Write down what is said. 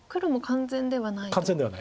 完全ではないです。